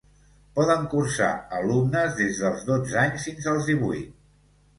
Poden cursar alumnes des dels dotze anys fins als divuit.